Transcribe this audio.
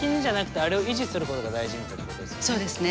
そうですね。